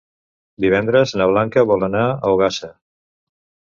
Divendres na Blanca vol anar a Ogassa.